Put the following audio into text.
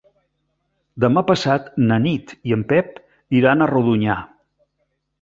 Demà passat na Nit i en Pep iran a Rodonyà.